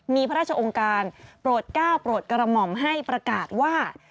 มีพระราชองค์การโปรดก้าวโปรดกระหม่อมให้ประกาศว่า